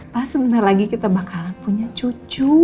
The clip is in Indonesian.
pa sebentar lagi kita bakalan punya cucu